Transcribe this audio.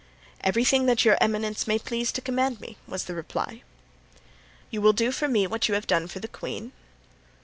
"Everything that your eminence may please to command me," was the reply. "You will do for me what you have done for the queen?"